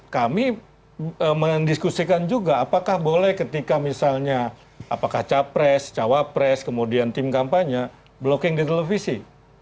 kami mendiskusikan juga apakah boleh ketika misalnya apakah capres cawapres kemudian tim kampanye blocking di televisi